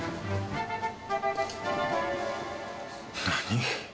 何？